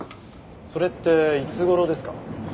それっていつ頃ですか？